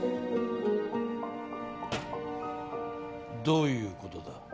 どういうことだ？